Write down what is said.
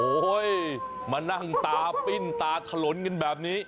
โอ้โหมานั่งตาปิ้นตาถลนกันแบบนี้